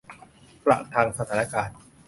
ประทังสถานการณ์